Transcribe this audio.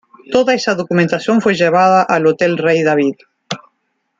Toda esa documentación fue llevada al Hotel Rey David.